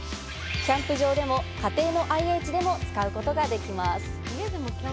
キャンプ場でも家庭のＩＨでも使うことができます。